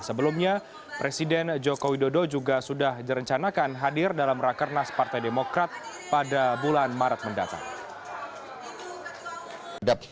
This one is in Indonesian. sebelumnya presiden joko widodo juga sudah direncanakan hadir dalam rakernas partai demokrat pada bulan maret mendatang